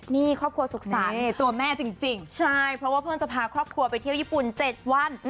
นี่ครอบครัวสุขสรรค์ตัวแม่จริงใช่เพราะว่าเพิ่งจะพาครอบครัวไปเที่ยวญี่ปุ่น๗วัน